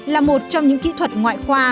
là một trong những kỹ thuật ngoại khoa